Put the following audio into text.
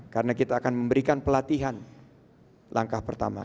karena kita akan memberikan pelatihan langkah pertama